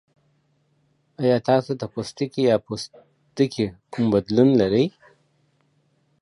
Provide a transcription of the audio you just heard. ایا تاسو د پوستکي یا پوستکي کوم بدلون لرئ؟